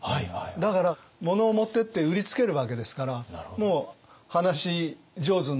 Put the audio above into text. だから物を持ってって売りつけるわけですからもう話上手になるわけですよね。